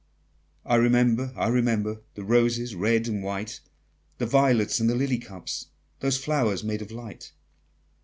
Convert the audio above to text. I remember, I remember, The roses, red and white, The violets, and the lily cups, Those flowers made of light!